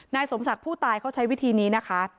นายสมศักดิ์ผู้ตายเขาใช้วิธีนี้นะคะ